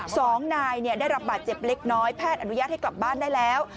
สองนายเนี่ยได้รับบาดเจ็บเล็กน้อยแพทย์อนุญาตให้กลับบ้านได้แล้ว